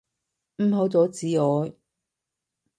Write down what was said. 唔好阻止我！